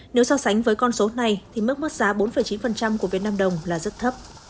nếu so sánh với con số này thì mức mất giá bốn chín của việt nam đồng là rất thấp